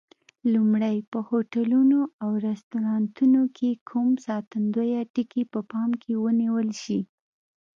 لومړی: په هوټلونو او رستورانتونو کې کوم ساتندویه ټکي په پام کې ونیول شي؟